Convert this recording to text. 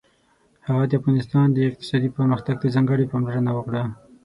هغه د افغانستان اقتصادي پرمختګ ته ځانګړې پاملرنه وکړه.